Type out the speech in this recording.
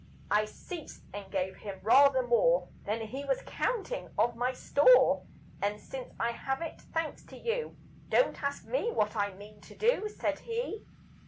I ceased, and gave him rather more Than he was counting of my store. "And since I have it, thanks to you, Don't ask me what I mean to do," Said he.